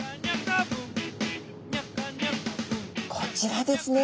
こちらですね